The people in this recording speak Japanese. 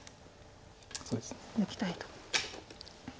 抜きたいと。